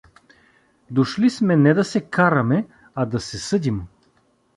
Дошли сме не да се караме, а да се съдим.